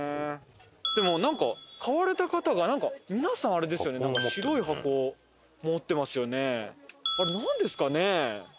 でもなんか買われた方が皆さんあれですよね白い箱持ってますよね。